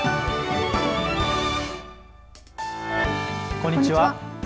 こんにちは。